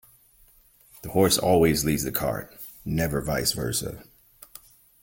The horse always leads the cart, never vice versa.